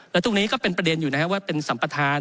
และตรงนี้ก็เป็นประเด็นอยู่นะครับว่าเป็นสัมประธาน